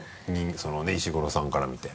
そのね石黒さんから見て。